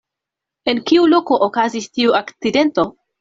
En kiu loko okazis tiu akcidento?